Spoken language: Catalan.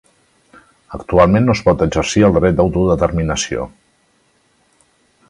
Actualment no es pot exercir el dret d'autodeterminació.